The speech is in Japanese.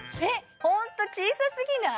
ホント小さすぎない？